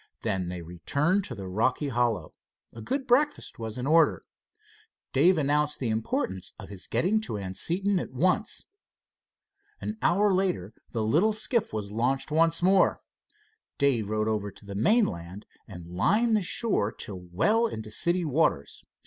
Then they returned to the rocky hollow. A good breakfast was in order. Dave announced the importance of his getting to Anseton at once. An hour later the little skiff was launched once more. Dave rowed over to the mainland and lined the shore till well into city waters.